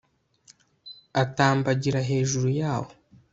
atambagira hejuru yawo